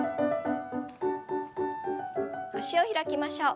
脚を開きましょう。